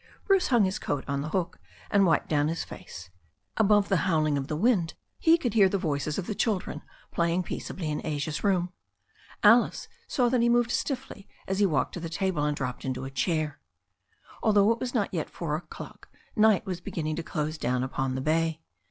Bruce hung his coat on the door, and wiped down his face. Above the howling of the wind he could hear the voices of the children playing peaceably in Asia's room. Alice saw that he moved stiffly as he walked to the table and dropped into a chair. Although it was not yet four o'clock night was beginning to dose down upon the bay.